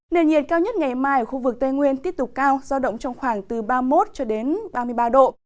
nền nhiệt cao nhất ngày mai ở khu vực tây nguyên tiếp tục cao giao động trong khoảng từ ba mươi một cho đến ba mươi ba độ